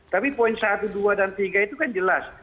tapi poin satu dua dan tiga itu kan jelas